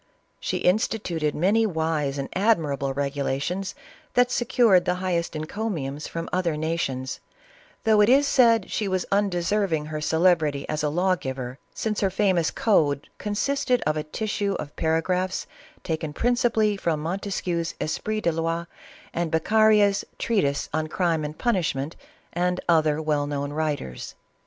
She insti tuted many wise and admirable regulations that secured the highest encomiums from other nations, though it is said she was undeserving her celebrity as a law giver, since her famous code "consisted of a tissue of para graphs taken principally from Montesquieu's ' Esprit des Loix,' and Beccaria's treatise on crime and punish ment, and other well known writers."